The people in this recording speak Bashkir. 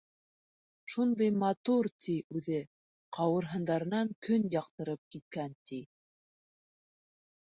Шундай матур, ти, үҙе, ҡауырһындарынан көн яҡтырып киткән, ти.